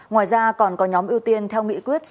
ngoài ra còn có nhóm ưu tiên theo nghị quyết số hai mươi một